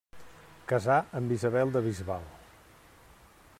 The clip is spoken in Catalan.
Casà amb Isabel de Bisbal.